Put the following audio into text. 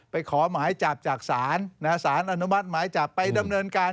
ขอหมายจับจากศาลสารอนุมัติหมายจับไปดำเนินการ